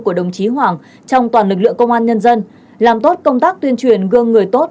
của đồng chí hoàng trong toàn lực lượng công an nhân dân làm tốt công tác tuyên truyền gương người tốt